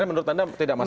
menurut anda tidak masalah